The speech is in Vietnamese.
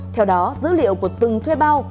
theo đó dữ liệu của từng thuê bao